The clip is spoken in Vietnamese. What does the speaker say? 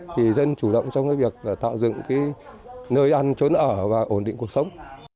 thì dân chủ động trong cái việc tạo dựng cái nơi ăn trốn ở và ổn định cuộc sống